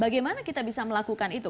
bagaimana kita bisa melakukan itu